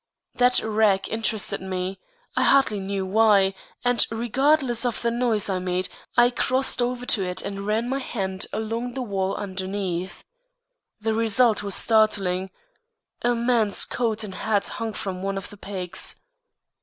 That rack interested me, I hardly knew why, and regardless of the noise I made, I crossed over to it and ran my hand along the wall underneath. The result was startling. A man's coat and hat hung from one of the pegs.